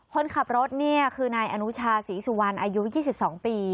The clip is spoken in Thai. คนขับรถเนี่ยคือนายอนุชาศรีสุวรรณอายุ๒๒ปี